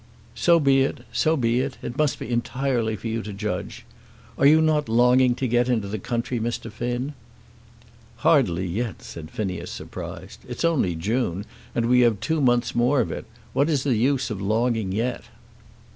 "So be it. So be it. It must be entirely for you to judge. Are you not longing to get into the country, Mr. Finn?" "Hardly yet," said Phineas, surprised. "It's only June, and we have two months more of it. What is the use of longing yet?"